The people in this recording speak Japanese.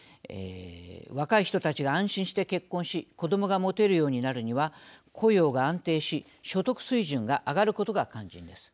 若い人たちが安心して結婚し子どもが持てるようになるには雇用が安定し所得水準が上がることが肝心です。